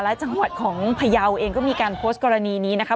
และจังหวัดของพยาวเองก็มีการโพสต์กรณีนี้นะคะ